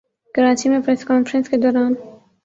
کراچی میں press conference کے دوران